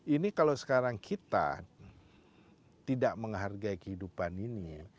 ini kalau sekarang kita tidak menghargai kehidupan ini